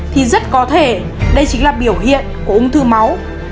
thì rất có thể đây chính là biểu hiện của ung thư máu